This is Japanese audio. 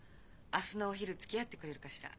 明日のお昼つきあってくれるかしら？